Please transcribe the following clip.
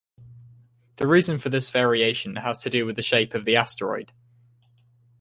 The reason for this variation has to do with the shape of the asteroid.